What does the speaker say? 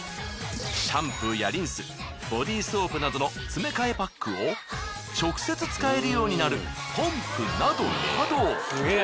シャンプーやリンスボディーソープなどのつめかえパックを直接使えるようになるポンプなどなど。